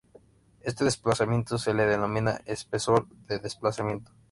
Este desplazamiento se le denomina espesor de desplazamiento.